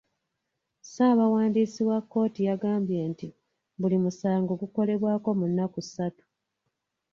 Ssaabawandiisi wa kkooti yagambye nti buli musango gukolebwako mu nnaku ssatu.